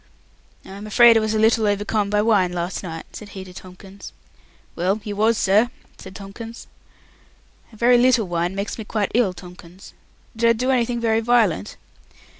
"I am afraid I was a little overcome by wine last night," said he to Tomkins. "Well, you was, sir," said Tomkins. "A very little wine makes me quite ill, Tomkins. Did I do anything very violent?"